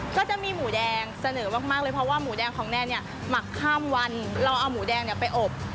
ก็จะมีหมูแดงเสนอมากเลยเพราะว่าหมูแดงของแนนเนี่ยหมักข้ามวันเราเอาหมูแดงเนี่ยไปอบ